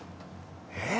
えっ？